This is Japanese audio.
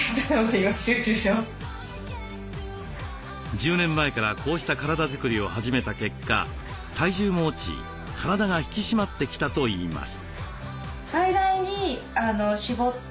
１０年前からこうした体づくりを始めた結果体重も落ち体が引き締まってきたといいます。